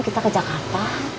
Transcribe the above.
kita ke jakarta